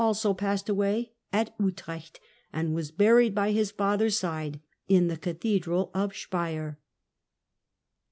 also passed away, at Utrecht, and was buried by his father's side in the cathedral of Speier.